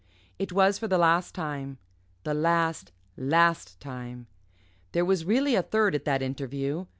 It was for the last time the last, last time. There was really a third at that interview.